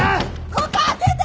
ここ開けて！